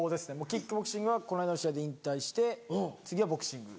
キックボクシングはこの間の試合で引退して次はボクシング。